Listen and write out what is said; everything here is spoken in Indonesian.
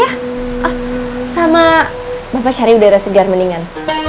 ah sama bapak cari udara segar mendingan